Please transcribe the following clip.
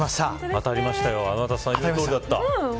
当たりましたよ、天達さん言ったとおりだった。